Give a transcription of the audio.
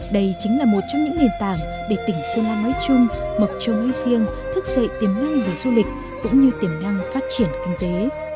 đây chính là một trong những nền tảng để tỉnh sơn la nói chung mộc châu nói riêng thức dậy tiềm năng về du lịch cũng như tiềm năng phát triển kinh tế